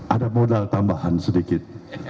ada modal tambahan sedikit